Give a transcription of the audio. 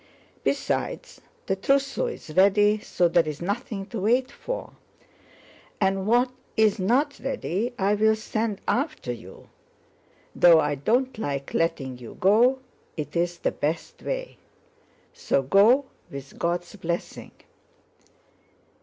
"Besides, the trousseau is ready, so there is nothing to wait for; and what is not ready I'll send after you. Though I don't like letting you go, it is the best way. So go, with God's blessing!"